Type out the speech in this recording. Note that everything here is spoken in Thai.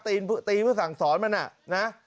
ตีผู้สั่งสอนมันนะ